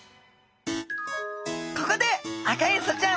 ここでアカエソちゃん